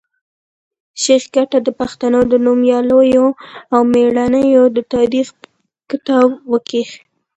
شېخ کټه د پښتنو د نومیالیو او مېړنیو د تاریخ کتاب وکېښ.